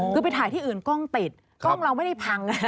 คือไปถ่ายที่อื่นกล้องติดกล้องเราไม่ได้พัง